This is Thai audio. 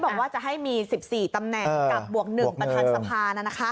บอกว่าจะให้มี๑๔ตำแหน่งกับบวก๑ประธานสภา